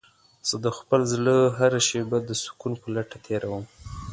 زه د خپل زړه هره شېبه د سکون په لټه تېرووم.